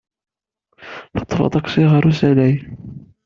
Teṭṭef aṭaksi ɣer usalay.